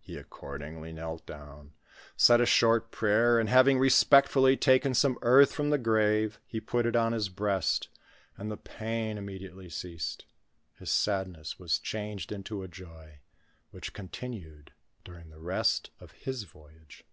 He accordingly knelt down, said a short prayer, and having respectfully taken some earth from the grave, he put it on his breast, and the pain immediately ceased ; his sadness was changed into a joy, which continued during the rest of his voyage.